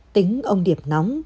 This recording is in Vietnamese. tính ông điệp nóng